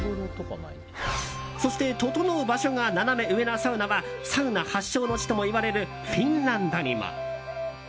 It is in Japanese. そして、ととのう場所がナナメ上なサウナはサウナ発祥の地ともいわれるフィンランドにも。